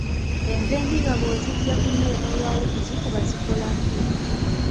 Enva endiirwa bw'oziggya ku mmere n'olwawo okuzikuba zikola ki?